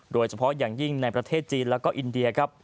โดยเฉพาะอย่างยิ่งในประเทศจีนแล้วก็อินเดียครับ